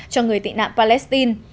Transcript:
cho người tị nạn palestine